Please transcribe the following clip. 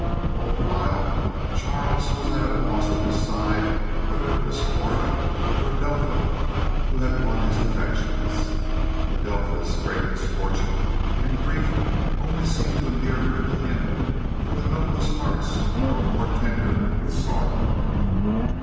All the while, Charles was at a loss to decide whether it was Cora or Adelpha who had won his affections. Adelpha's great misfortune and grief only seemed to endear her to him, for the noblest hearts grow more tender with sorrow.